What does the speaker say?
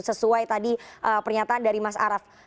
sesuai tadi pernyataan dari mas araf